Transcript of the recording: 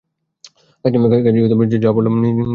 কাজেই যা পরলাম, নিজে নিজে পরলাম।